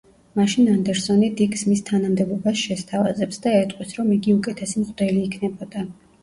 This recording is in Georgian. მაშინ ანდერსონი დიკს მის თანამდებობას შესთავაზებს და ეტყვის, რომ იგი უკეთესი მღვდელი იქნებოდა.